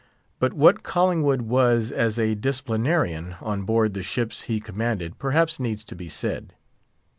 But what Collingwood was as a disciplinarian on board the ships he commanded perhaps needs to be said.